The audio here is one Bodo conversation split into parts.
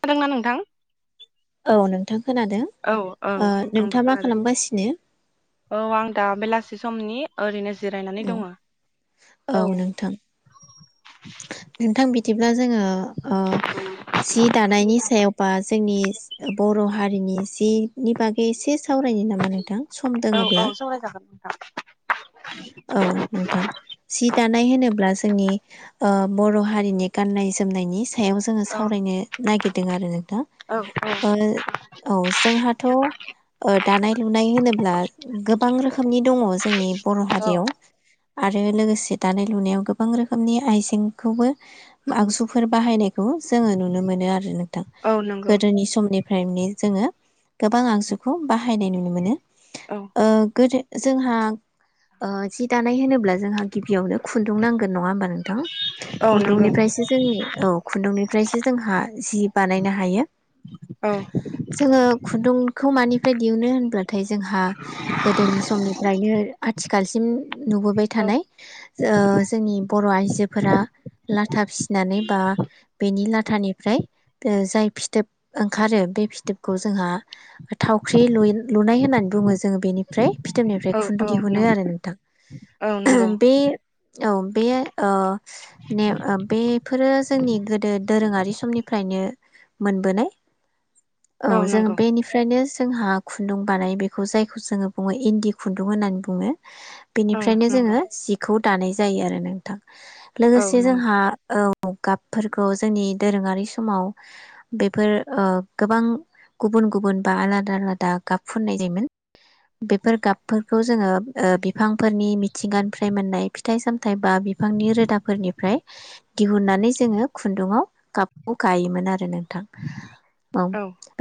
खोनादोंना नोंथां? औ नोंथां। खोनादों औ औ ओ आंबो नोंथाङा मा खोनादों खालामगासिनो औ आं दा बेलासि समनि ओरैनो जिरायनानै औ दङ औ नोंथां। नोंथां बि दिब्ला जोङो ओ सि दानायनि सायावबा जोंनि बर' हारिनि जिनि बागै एसे सावरायनो नामा नोंथां सम औ औ दोङोब्ला? सावरायजागोन नोंथां औ नोंथां जि दानाय होनोब्ला जोंनि ओ बर' हारिनि गाननाय जोमनायनि सायाव जोङो औ सावरायनो नागिर दों आरो ओ औ औ जोंहाथ' ओ दानाय लुनाय होनोब्ला गोबां रोखोमनि दङ जोंनि हारियाव औ आरो लोगोसे दानाय लुनायाव गोबां रोखोमनि आइजेंखौबो आगजुफोर बाहायनाय खौ जोङो नुनो मोनो आरो नोंथां औ नंगौ गोदोनि समनिफ्राय जोङो गोबां आगजुखौ बाहायनाय नुनो मोनो औ ओ गोदो जोंहा ओ जि दानाय होनोब्ला जोंहा गिबियावनो खुन्दुं नांगोन नङा होनबा नोंथां औ नंगौ खुुन्दुंनिफ्रायसो जोंनि औ खुुन्दुंनि ओमफ्रायसो जोंहा जि बानायनो हायो। औ जोङो खुन्दुंखौ मानिफ्राय दिहुनो होनब्लाथाय जोंहा गोदोनि समनिफ्रायनो। आथिखालसिम नुबोबाय औ थानाय ओ जोंनि बर' आइजोफोरा ला था फिसिनानै बा बेनि लाथा थानिफ्राय जाय फिथोब ओंखारो बे फिथोबखौ जोंहा थावख्रि लुनाय होननानै बुङो जोङो बेनिफ्राय। फिथोरनिफ्राय औ औ खुन्दुं। नं मोननो आरो औ नंगौ नोंथां बे। औ बे ओ नेम बेफोरो जोंनि गोदो। दोरोङारि समनिफ्रायनो मोनबोनाय। औ जों बेनिफ्रायनो जोंहा खुन्दुं बानाय बेखौ जायखौ जोङो बुङो इन्दि खुन्दुं होननानै बुङो। बुङो। औ बेनिफ्रायनो नंगौ जोङो जिखौ। दानाय जायो आरो नोंथां। औ लोगोसे नंगौ जोंहा औ। गाबफोरखौ जोंनि दोरोङारि समाव बेफोर ओ गोबां गुबुन-गुबुन बा आलादा आलादा गाब फुननाय जायोमोन बेफोर गाबफोरखौ जोङो। ओ बिफांफोरनि मिथिंगानिफ्राय मोननाय फिथाइ साम थाय बा बिफांनि रोदाफोरनिफ्राय। दिहुननानै जोङो खुन्दुाव गाबखौ गायोमोन आरो नों थां औ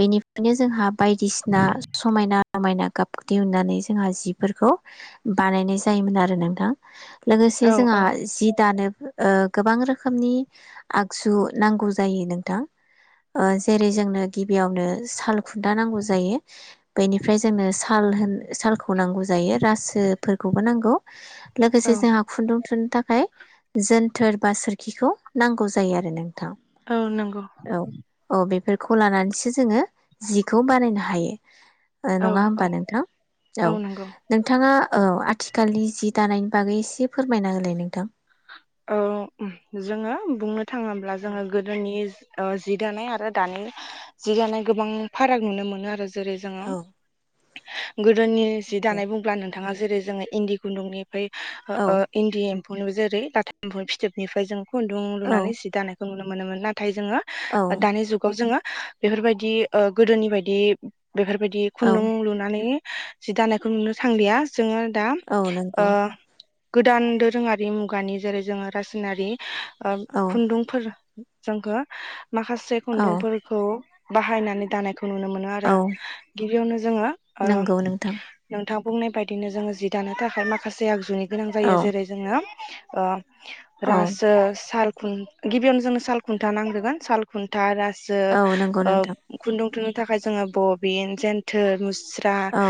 बेनि माने जोंहा बायदिसिना समायना। समायना गाबखौ दिहुननानै जोंहा जिफोरखौ। बानायनाय जायोमोन आरो नोंथां। लोगोसे औ औ जोंहा जि दानो। ओ गोबां रोखोमनि आगजु नांगौ जायो नोंथां। जेरै जोंनो गिबियावनो साल खुन्दा नांगौ जायो बेनिफ्राय जोंनो साल होन सालखौ नांगौ जायो। रासोफोरखौबो नांगौ। लोगोसे औ जोंहा खुन्दुं थुन थाखाय जोनथोर बा सोरखिखौ नांगौ जायो आरो नों थां औ नंगौ औ-औ बेफोर खौ लानानैसो जोङो जिखौ बानायनो हायो। औ नङा औ होमबा नोंथां? औ। नोंथाङा औ आथिखालनि जि दानायनि बागै एसे फोरमायना होलाय नोंथां? औ जोङो बुंनो। थाङोब्ला औ जोङो गोदोनि। अ जि दानाय आरो दानि जि दानाय गोबां फाराग नुनो मोनो आरो। जेरै जोङो औ गोदोनि जि दानाय बुंब्ला नोंथाङा जेरै जोङो इन्दि खुन्दुंनि ओमफाय ओं औ ओं इण्डि [unintelligible] लाथा इम्फौ फिथोबनिफ्राय जों खुन्दुं औ लुनानै जि दानायखौ नुनो मोनोमोन नाथाय जोङो औ दानि जुगाव जोङो बेफोरबायदि ओ गोदोनि बायदि बेफोरबायदि औ खुन्दुं लुनानै जि दानायखौ नुनो थांलिया। जोङो दा औ नंगौ गोदान दोरोङारि मु खुगानि जेरै जोङो रासायनारि औ खुन्दुंफोर जोंखो माखासे औ खुन्दुंफोरखौ बाहायनानै दानायखौ नुनो मोनो आरो औ गिबियावनो जोङो नंगौ नोंथां ओ बुंनाय बायदिनो जोङो जि दानो थाखाय माखासे आगजुनि गोनां जायो औ जेरै जोङो [inaudible] ओ औ रासो साल गुन गिबियावनो जोंनो सालखुन्था रासो सो औ नंगौ नोंथां ओ खुुंन्दुं थुन थाखाय जोङो बबिन सेन्थोर मु स्रा औ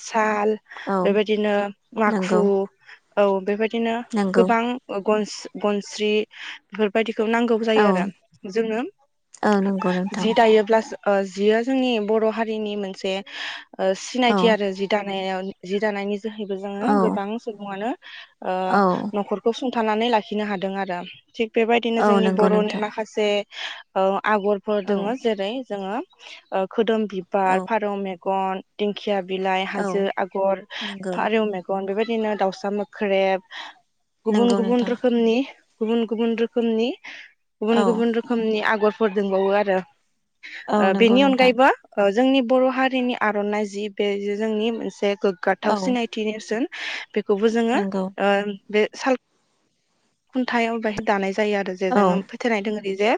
साल औ बेबायदिनो नंगौ माखु औ बेबायदि बिदिनो नंगौ गोबां ओ गनस गनस्रि बेफोरबायदि खौ नांगौ औ जायो आरो जोंनो औ नंगौ नोंथां जि दायोब्लासो ओ जिया जोंनि बर' हारिनि मोनसे ओ औ सिनायथि आरो जि दा नायाव जि दानायनि जोहैबो जोङो औ गोबां सुबुङानो औ ओ गसंथानानै लाखिनो हादों आरो थिग बेबायदिनो औ जोंनि नंगौ बर'नि नोंथां माखासे ओ आगरफोर औ दोङो। जेरै जोङो ओ खोदोम औ बिबार, फारौ मेग गन दिंखिया बिलाइ, औ हाजो आगर, नंगौ फारौ मेगन बेबाय दिनो दाउसा मोख्रेब गुबुन नंगौ गुबुन नोंथां रोखोमनि गुबुन गुबुन रोखोमनि गुबुन औ गुबुन रोखोमनि आगर फोर दोंबावो आरो औ ओ नंगौ बेनि नोंथां अनगायैबो ओ जोंनि बर' हारिनि आर'नाइ जि बे जोंनि मोनसे गोग्गाथाव औ सिनायथि नेरसोन। बेखौबो जोङो नंगौ ओ बे साल खुन्थायाव बेहाय दानाय जायो आरो जे जों औ फोथायनाय दोङो दि जे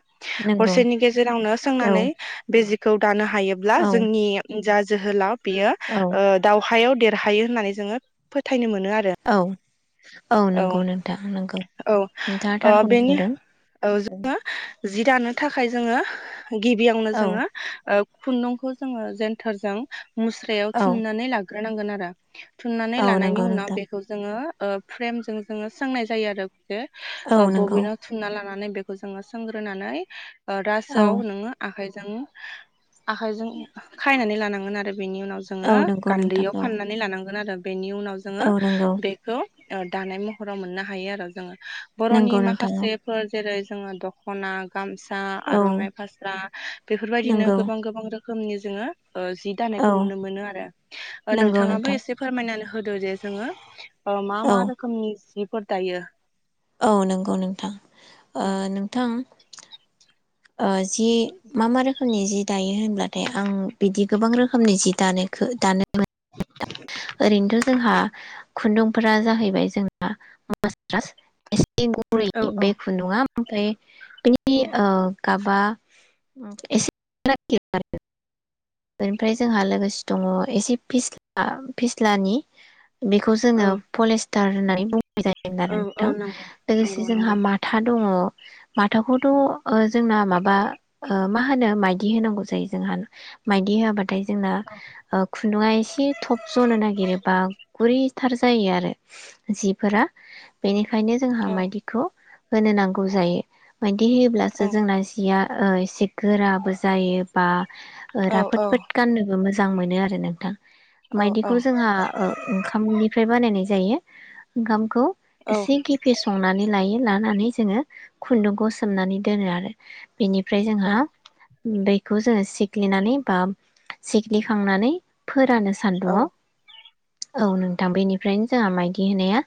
नंगौ हरसेनि गेजेरावनो औ सोंनानै बे जि खौ दानो हायोब्ला औ जोंनि जा जोहोलाव बेयो औ ओ दावहायाव देर ओ हायो होननानै जोङो फोथायनो मोन औ-अ औ नोंगौ नोंथां नोंगौ औ नोंथाङा ओ थारखौनो बेनि [unintelligible] दों औ जि दानो थाखाय जोङो गिबियावनो औ जोङो ओ खुन्दुंखौ जोङो जेेनथोरजों मुस्रायाव औ थुननानै लाग ग्रोनांगोन आरो थुननानै औ लानायनि नंगौ उनाव नोंथां बेखौ जोङो ओ फ्रेमज जों जोङो सोंनाय जायो आरो ओ औ अ नंगौ बबिनाव थुनना लानानै बेखौ जोङो सोंग्रोनानै ओ औ रासोआव नोङो आखाइज जों आखायजों खायनानै लान नांगोन आरो बेनि उनाव औ जोङो नंगौ नोंथां गान्दैयाव औ फाननानै लानांगोन आरो बेनि उनाव जोङो औ नंगौ बेखौ ओद दानाय महराव मोननो हायो आरो जोङो नंगौ बर'नि नोंथां माखासेफोर जेरै जोङो दख'ना गामसा औ आरनाइ फास्रा बेफोरबायदिनो नंगौ गोबां गोबां रोख खोमनि जोङो ओ जि औ दानायखौ नुनो मोनो आरो ओ नंगौ नोंथाङाबो नोंथां एसे फोरमायनानै हो होदो जे जोङो ओ मा औ मा रोख [unintelligible] जिफोर दायो औ नोंगौ नोंथां ओ औ नोंथां ओ जि मा मा रोखोमनि जि दायो होनब्लाथाय आं बिदि गोबां रोखोमनि जि दानायखो दानो मो [inaudible] ओरैनोथ' जोंहा खुन्दुंफोरा जाहैबाय जोंहा मासरास एस से गुरै औ बे खुन्दुंआ ओमफ्राय बेनि आ गाबा एसे [inaudible] बेनिफ्राय जोंहा लोगोसे दङ एसे फिस्ला फिस्लानि बेखौ औ जोङो पलिस थार होननानै बु नाय औ औ जायो नंगौ लोगोसे नंगौ जोंहा नंगौ माथा दङ माथावखौथ' जोंना माबा मा होनो माइदि होनांगौ जायो जोंहा माइदि होआाबाथ थाय जोंना खुन्दुङा एसे थब गेरो बा गुरैथार जायो आरो जिफोरा बेनि खायनो जोंहा औ मायदिखौ होनो नांगौ जायो मायदि औ होयोब्लासो जोंना जिया ओ एसे गोराबो जायो बा औ राफोद औ फोद गाननोबो मोजां जां मोनो आरो नोंथां औ मायदिखौ जोंहा ओ ओंखामनिफ्राय बानायनाय जायो। ओखामखौ औ एसे गिफे संनानै लायो ला नानै जोङो खुन्दुंखौ सोमनानै दोनो आरो बेनिफ्राय जोंहा औ दै खौ जोङो सिख्लिनानै बा सिग्लिखांनानै फोरानो औ सान्दुङआव औ नोंथां बेनिफ्रायनो जोंहा मायदि होनाया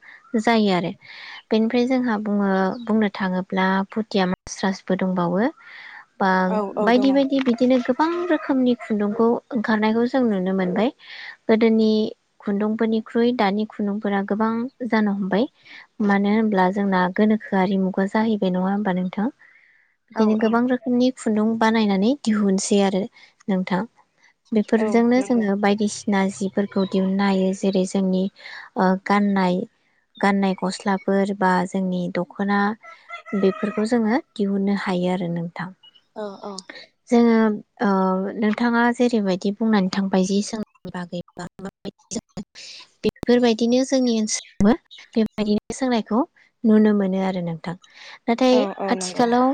जायो आरो बेनिफ्राय जोंहा बुङो बुंनो थाङोब्ला भुथिया मास्रासबो दंबावो बा औ औ दङ बायदि बायदि बिदिनो गोबां रोखोमनि खुन्दुंखौ ओंखारनायखौ जों नुनो मोनबाय गोदोनि खुन्दुंफोरनिख्रुइ दानि खुन्दुंफोरा गोबां जानो हमबाय मानो होनब्ला जोंना गोनोखोआरिमुगा जाहैबाय नङा होमबा नोंथां औ बिदिनो गोबां रोखोमनि खुन्दुं बानायनानै दिहुनसै आरो नोंथां बेफोरजोंनो नंगौ जोङो बाय सिना जिफोरखौ दिहुननो हायो जेरै जोंनि ओ गाननाय गाननाय गस्लाफोर बा जोंनि दख'ना औ औ जोङो ओ नोंथाङा जेरैबायदि बुंनानै थांबाय जि सों [unintelligible] बेफोरबायदिनो जोंनि ओनसोलाव बे बादिनो सोंनायखौ नुनो मोनो आरो नोंथां नाथाय औ नंगौ आथिखालाव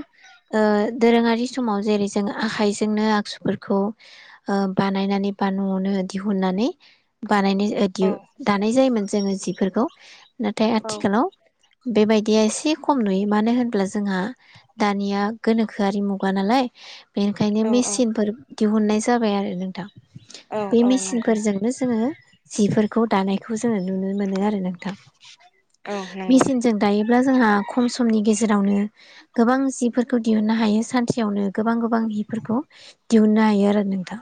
दोरोङारि समाव जेरै जों आखाइजोंनो आगजुफोरखौ बानायनानै बा न'आवनो दिहुननानै औ बानायनाय दानाय जायोमोन जोङो जिफोरखौ नाथाय औ नंगौ औ आथिखालाव बेबायदिया एसे खम नुयो मानो होनब्ला जोंहा दानिया गोनोखोआरि मुगा नालाय बेनिखायनो नंगौ मेसिनफोर दिहुननाय ज जाबाय आरो नोंथां औ नंगौ मेचिनफोरजोंनो जों जि खौ दानायखौ जोङो नुनो मोनो आरो औ मेचिनजों दायोब्ला जोंहा खम समनि गेजेराव गेजेरावनो गोबां जिफोरखौ दिहुननो हायो सानसेयावनो गोबां गोबां हफोरखौ दिहुननो हायो आरो नोंथां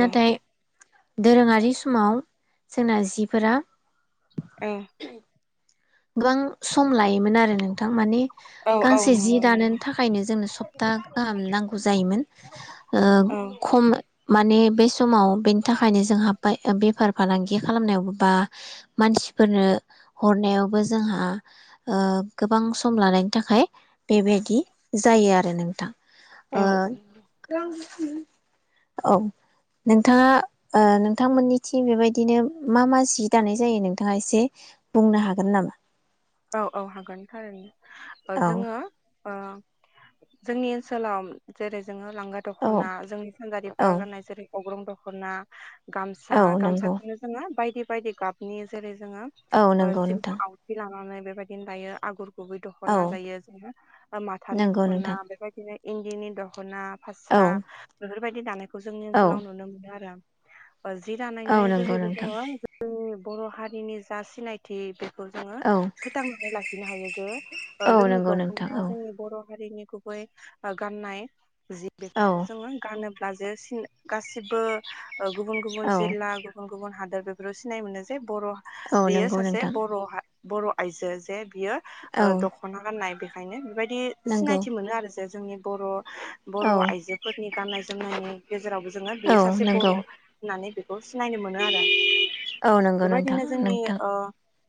नाथाय दोरोङारि समाव जोंना जिफोरा [unintelligible] गोबां सम लायोमोन आरो नोंथां माने औ गांसे जि नंगौ दानोनि नंगौ थाखायनो जोंनो सप्ता गाहाम नांगौ जायोमोन खम माने बे समाव बेनि थाखायनो जोंहा बेफार फालांगि खालामनायाव बा मानसिफोरनो हरनायाव बो जोंहा गोबां सम लानायनि थाखाय बेबायदि जायो आरो नोंथां औ आ औ नोंथाङा नोंथांमोननिथिम बेबायदिनो मा मा जि दानाय जायो नोंथाङा एसे बुंनो हागोन नामा औ औ हागोन थारैनो औ जोङो जोंनि ओनसोलाव जेरै जोङो लांगा औ दख'ना जोंनि सानजारिफोरा औ गाननाय जेरै अग्रं दखना गामसा औ नंगौ गामसाखौनो जोङो बायदि बायदि गाबनिनो जेरै औ नंगौ नोंथां [unintelligible] नानै बेबायदिनो दायो आगुर गुबै औ दख'ना दायो जोङो ओ माथानि नंगौ दख'ना नोंथां बेबायदिनो इन्दिनि दखना औ फास्रा बेफोर बायदि दानाय खौ जोंनि औ ओनसोलाव नुनो मोनो आरो। ओ जि औ दानायनि नंगौ जोहैबो नोंथां जोङो जोंनि बर' हारिनि जा सिनायथि बेखौ जोङो औ फोथांनानै लाखिनो हायो जे ओ औ जोंनि नंगौ नोंथां दखमाया औ जोंनि बर' हारिनि गुबै ओ गाननाय जि बे औ जोङो गानो लाजायासिन गासिबो ओ गुबुन गुबुन औ जिल्ला गुबुन गुबुन हादर बेफोराव सिनाय मोनो जे बर' औ बेयो नंगौ सासे नोंथां बर'हा बर' आयजो जे बियो ओ औ दखना गारनाय बे ओंखायनो बेबायदि ने नंगौ सिनायथि मोनो आरो। जे जोंनि बर' बर' औ आइजोफोरनि गाननाय जोमनाय गेजेरावबो जोङो बेयो औ सासे बर' नंगौ होननानै बे बेखौ सिनायनो मोनो आरो औ नंगौ नोंथां बेबायदिनो जोंनि नोंथां ओ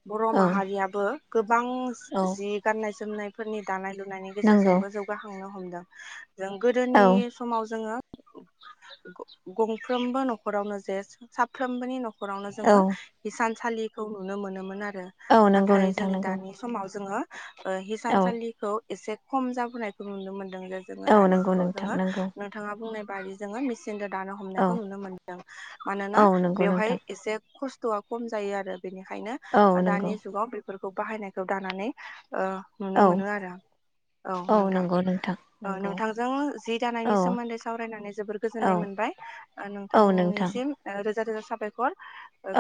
बर' औ। [inaudible] गोबां औ जि गाननाय जोमनायफोरनि दानाय लु नायनि नंगौ गेजेरजोंबो जौगाखांनो हमदों। जों गोदोनि औ समाव जोङो। गंफ्रोमबो न'खरावनो जे साफ्रोमबोनि न'ख हरावनो जोङो औ हिसान थालिखौ नुनो मोनोमोन आरो ओ औ नंगौ नाथाय नोंथां जोंनि नंगौ दानि समाव। जोङो ओ औ हिसानसालिखौ एसे खम जाबोनायखौ नुनो मोनो। जोङो औ दानि नंगौ जुगाव नोंथां जोङो नंगौ नोंथाङा बुंनाय बारि जोंङो मिसिन दानो हमनायखौ औ नुनो मोनदों मानोना औ नंगौ बेवहाय नोंथां एसे खस्थ' खस्थ'आ खम जायो आरो बेनिखायनो औ नंगौ दानि बेफोरखौ बाहायनायखौ दानानै ओ नुनो मोनो औ आरो औ नोंथां नंगौ नोंथां नंगौ नोंथांजों जि दानायनि औ सोमोन्दै सावरायनानै जोबोर औ गोजोननाय मोनबाय औ नोंथां नोंथांनिसिम रोजा रोजा साबायखर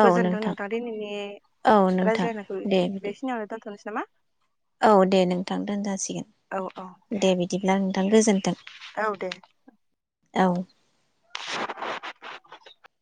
गोजोनथों नोंथां दिनैनि औ नोंथां रायज्लायनाय बे दे बिदि बेखिनियावनो दोनथ सै नामा? औ दे नोंथां औ औ दोनजासिगोन दे बिदिब्ला। गोजोन्थों औ दे। औ।